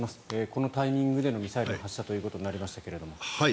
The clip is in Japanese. このタイミングでのミサイル発射ということになりましたが。